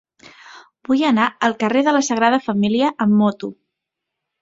Vull anar al carrer de la Sagrada Família amb moto.